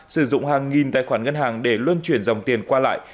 sử dụng hàng nghìn tài khoản ngân hàng để luân chuyển dòng tiền qua lại